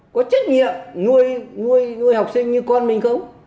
có trách nhiệm nuôi học sinh như con mình không